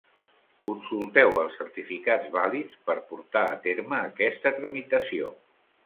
Consulteu els certificats vàlids per portar a terme aquesta tramitació.